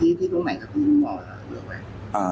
ที่ตรงไหนเข้าที่ลิปว่ารับไว้